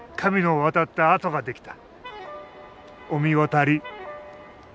御神渡り。